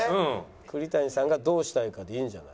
「栗谷さんがどうしたいかでいいんじゃない？」。